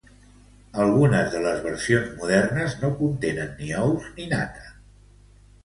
Algunes de les versions modernes no contenen ni ous ni nata.